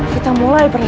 kita mulai berhenti